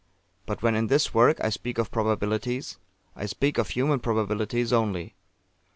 But when, in this work, I speak of probabilities, I speak of human probabilities only.